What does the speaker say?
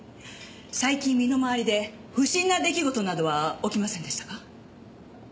最近身の周りで不審な出来事などは起きませんでしたか？